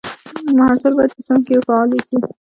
محصل باید په صنف کې فعال واوسي.